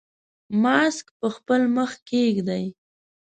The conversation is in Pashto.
ماسک په خپل مخ کېږدئ.